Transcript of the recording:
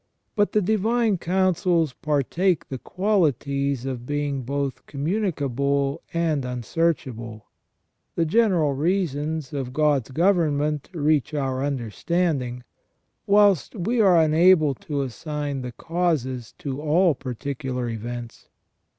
But the divine counsels partake the qualities of being both communicable and unsearchable. The general reasons of God's government reach our understanding, whilst we are unable to assign the causes to all particular events.